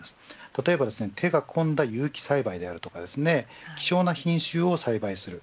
例えば手が込んだ有機栽培であったり希少な品種を栽培する。